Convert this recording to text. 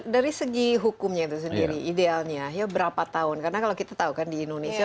dari segi hukumnya itu sendiri idealnya ya berapa tahun karena kalau kita tahu kan di indonesia